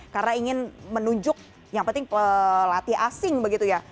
karena ingin menunjuk yang penting pelatih asing begitu ya